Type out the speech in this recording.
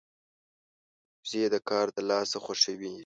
وزې د کار د لاسه خوښيږي